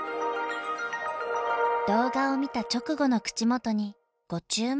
動画を見た直後の口元にご注目。